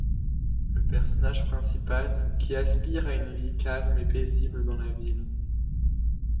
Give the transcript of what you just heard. Le personnage principal, qui aspire à une vie calme et paisible dans la ville.